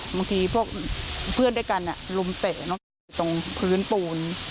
บางทีพวกเพื่อนด้วยกันรุมเตะตรงพื้นปูน